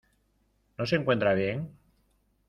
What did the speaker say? ¿ no se encuentra bien?